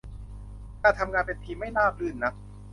การทำงานเป็นทีมไม่ราบรื่นนัก